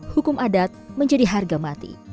hukum adat menjadi harga mati